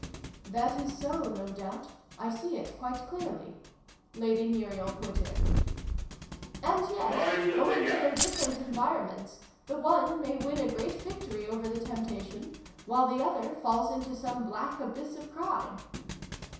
" That is so, no doubt : I see it quite clearly," Lady Muriel put in. " And yet, owing to their different environ ments, the one may win a great victory over the temptation, while the other falls into some black abyss of crime."